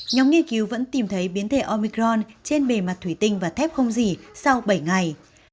nhóm nghiên cứu vẫn tìm thấy biến thể omicron trên bề mặt thủy tinh và thép không gì sau bảy ngày